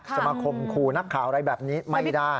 จะมาคุมคุณักขาวอะไรแบบนี้ไม่ได้